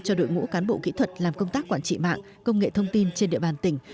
cho đội ngũ cán bộ kỹ thuật làm công tác quản trị mạng công nghệ thông tin trên địa bàn tỉnh